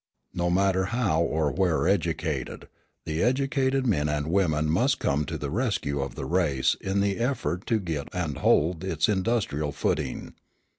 No matter how or where educated, the educated men and women must come to the rescue of the race in the effort to get and hold its industrial footing.